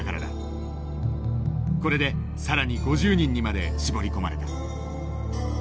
これで更に５０人にまで絞り込まれた。